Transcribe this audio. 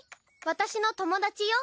私の友達よ。